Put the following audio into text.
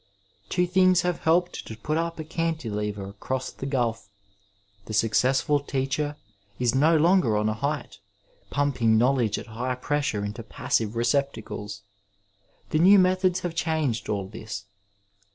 Two things have helped to put up a cantilever across the gulf. The successful teacher is no longer on a height, pumping know ledge at high pressure into passive receptacles. The new methods have changed aU this.